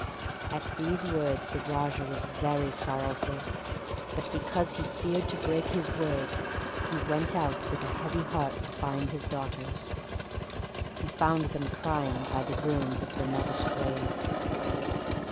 At these words the Raja was very sorrowful; but because he feared to break his word, he went out with a heavy heart to find his daughters. He found them crying by the ruins of their mother's grave.